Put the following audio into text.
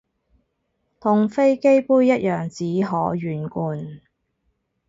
同飛機杯一樣只可遠觀